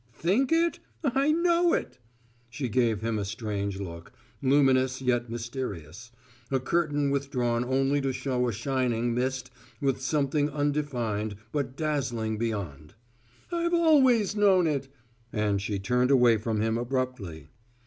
"Think it? I know it!" She gave him a strange look, luminous yet mysterious, a curtain withdrawn only to show a shining mist with something undefined but dazzling beyond. "I've always known it!" And she turned away from him abruptly.